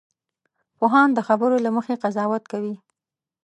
پوهان د خبرو له مخې قضاوت کوي